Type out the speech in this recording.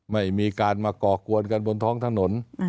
ไม่มีการมาก่อกวนกันบนท้องถนน